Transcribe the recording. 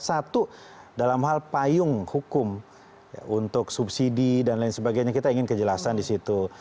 satu dalam hal payung hukum untuk subsidi dan lain sebagainya kita ingin kejelasan di situ